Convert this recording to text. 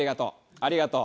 ありがとう。